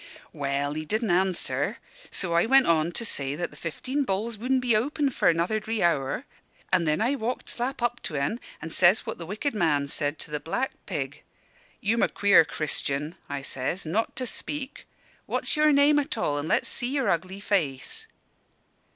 "Well, he didn' answer; so I went on to say that the 'Fifteen Balls' wudn' be open for another dree hour; and then I walked slap up to en, and says what the Wicked Man said to the black pig. 'You'm a queer Christian,' I says, 'not to speak. What's your name at all? And let's see your ugly face.'